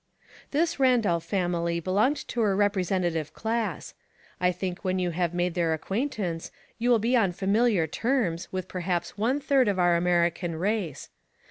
This Randolph family belonged to a represent ative class. I think when you have made their acquaintance you will be on familiar terms with perhaps one third of our American race.